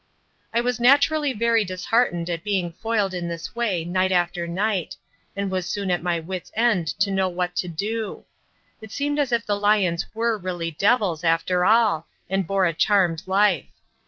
I was naturally very disheartened at being foiled in this way night after night, and was soon at my wits' end to know what to do; it seemed as if the lions were really "devils" after all and bore a charmed life.